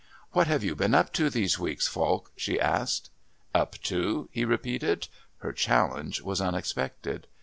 "What have you been up to all these weeks, Falk?" she asked. "Up to?" he repeated. Her challenge was unexpected.